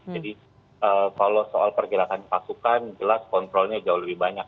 jadi kalau soal pergerakan pasukan jelas kontrolnya jauh lebih banyak